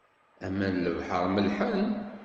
Aman n lebḥer mellḥen.